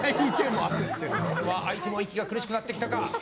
相手も息が苦しくなってきたか。